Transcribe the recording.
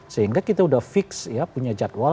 sehingga kita sudah fix ya punya jadwal